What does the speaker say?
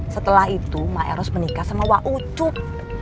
setelah itu emang eros menikah sama waucup